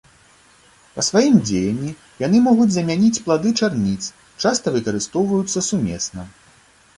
Па сваім дзеянні яны могуць замяніць плады чарніц, часта выкарыстоўваюцца сумесна.